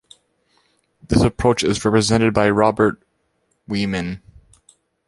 This approach is represented by Robert Weimann.